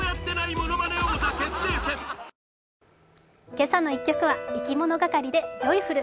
「けさの１曲」はいきものがかりで「じょいふる」